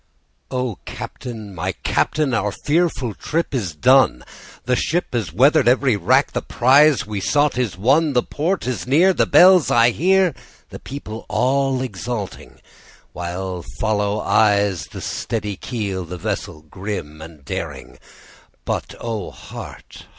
O Captain! my Captain! our fearful trip is done, The ship has weather'd every rack, the prize we sought is won, The port is near, the bells I hear, the people all exulting, While follow eyes the steady keel, the vessel grim and daring; But O heart! heart!